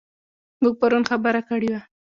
موږ پرون خبره کړې وه.